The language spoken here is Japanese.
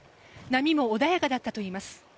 波も穏やかだったといいます。